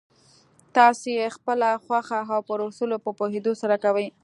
تاسې يې پخپله خوښه او پر اصولو په پوهېدو سره کوئ.